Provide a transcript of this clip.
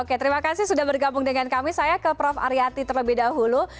oke terima kasih sudah bergabung dengan kami saya ke prof aryati terlebih dahulu